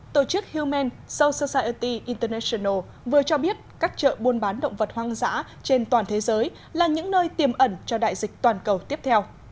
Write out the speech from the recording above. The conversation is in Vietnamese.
tổ chức human soussocirti international vừa cho biết các chợ buôn bán động vật hoang dã trên toàn thế giới là những nơi tiềm ẩn cho đại dịch toàn cầu tiếp theo